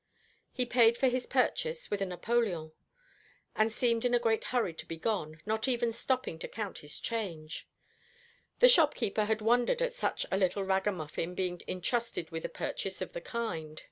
He paid for his purchase with a napoleon, and seemed in a great hurry to be gone, not even stopping to count his change. The shopkeeper had wondered at such a little ragamuffin being intrusted with a purchase of the kind.